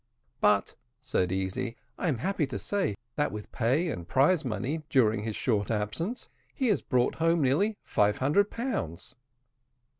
"But," said Easy, "I am happy to say that, with pay and prize money, during his short absence, he has brought home nearly five hundred pounds."